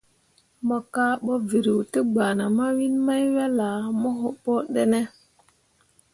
Mo kah bo vǝrǝǝ te gbana mawiin mai wel ah mo wobo ɗǝne ?